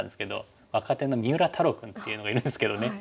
若手の三浦太郎君っていうのがいるんですけどね。